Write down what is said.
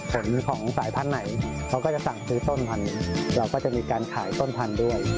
ทุ่มของสายพันไหนเขาก็จะสั่งซื้อต้นพัน